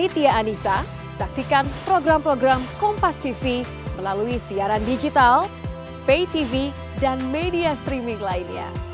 bisa saksikan program program kompastv melalui siaran digital pay tv dan media streaming lainnya